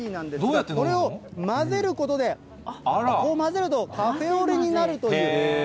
これを混ぜることで、こうやって混ぜるとカフェオレになるという。